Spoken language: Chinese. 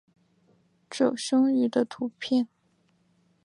褶胸鱼的图片